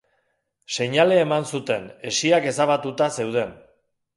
Seinale eman zuten, hesiak ezabatuta zeuden.